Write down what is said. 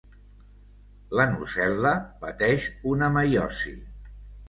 La nucel·la pateix una meiosi.